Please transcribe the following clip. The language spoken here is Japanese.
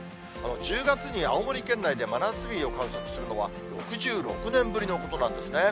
１０月に青森県内で真夏日を観測するのは、６６年ぶりのことなんですね。